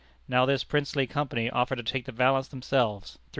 Now this princely Company offered to take the balance themselves £315,000.